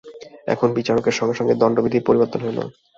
এখন বিচারকের সঙ্গে সঙ্গে দণ্ডবিধির পরিবর্তন হইল।